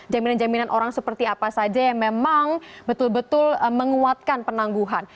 jaminan jaminan orang seperti apa saja yang memang betul betul menguatkan penangguhan